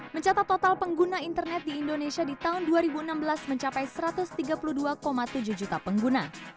mencatat total pengguna internet di indonesia di tahun dua ribu enam belas mencapai satu ratus tiga puluh dua tujuh juta pengguna